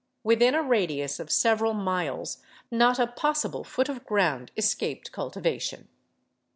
Within a radius of several miles not a possible foot of ground escaped cultivation.